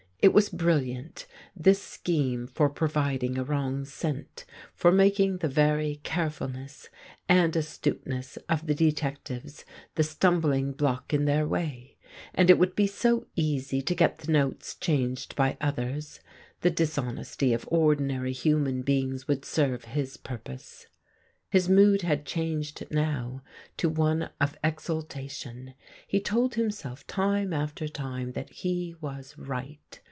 It was brilliant, this scheme for providing a wrong scent, for making the very carefulness and astuteness of the detectives the stumbling block in their way ; and it would be so easy to get the notes changed by others — the dishonesty of ordinary human beings would serve his purpose. His mood had changed now to one of exultation. He told himself time after time that he was right.